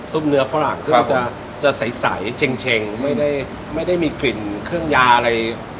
ซุปเนื้อฝรั่งครับซึ่งมันจะจะใสเช็งไม่ได้ไม่ได้มีกลิ่นเครื่องยาอะไร